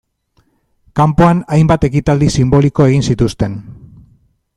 Kanpoan, hainbat ekitaldi sinboliko egin zituzten.